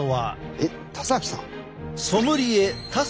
えっ田崎さん？